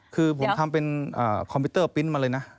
คือผมทำเป็นคอมพิวเตอร์ปริ้นต์มาเลยนะ